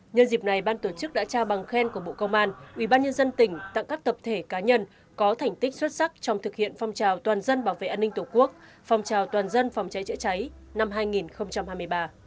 nhân dịp này ban tổ chức đã trao bằng khen của bộ công an ubnd tỉnh tặng các tập thể cá nhân có thành tích xuất sắc trong thực hiện phong trào toàn dân bảo vệ an ninh tổ quốc phong trào toàn dân phòng cháy chữa cháy năm hai nghìn hai mươi ba